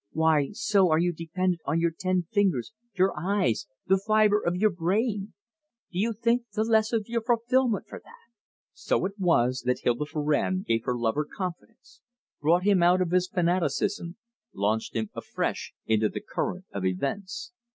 Why, so are you dependent on your ten fingers, your eyes, the fiber of your brain! Do you think the less of your fulfillment for that?" So it was that Hilda Farrand gave her lover confidence, brought him out from his fanaticism, launched him afresh into the current of events.